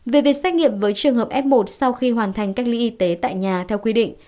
về việc xét nghiệm với trường hợp f một sau khi hoàn thành cách ly y tế tại nhà theo quy định